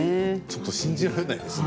ちょっと信じられないです